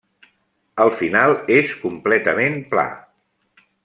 El final és completament pla.